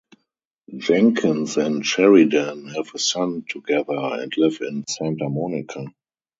Jenkins and Sheridan have a son together, and live in Santa Monica.